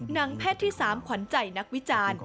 แพทย์ที่๓ขวัญใจนักวิจารณ์